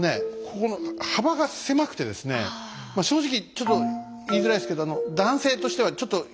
ここの幅が狭くてですね正直ちょっと言いづらいですけど男性としてはちょっといろいろきついですね。